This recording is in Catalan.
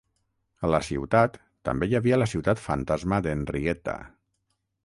A la ciutat també hi havia la ciutat fantasma d'Henrietta.